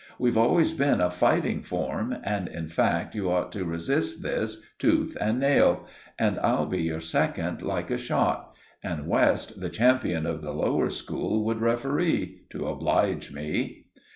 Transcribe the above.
We've always been a fighting form, and, in fact, you ought to resist this tooth and nail; and I'd be your second like a shot; and West, the champion of the lower school, would referee—to oblige me."